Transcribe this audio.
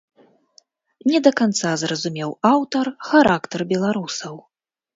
Не да канца зразумеў аўтар характар беларусаў.